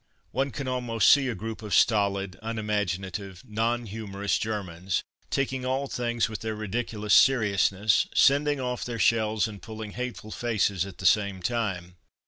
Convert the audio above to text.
One can almost see a group of stolid, unimaginative, non humorous Germans, taking all things with their ridiculous seriousness, sending off their shells, and pulling hateful faces at the same time.